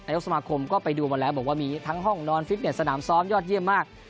สมาคมก็ไปดูมาแล้วบอกว่ามีทั้งห้องนอนฟิตเน็ตสนามซ้อมยอดเยี่ยมมาก